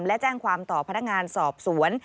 และแจ้งความต่อพนักงานสอบสวน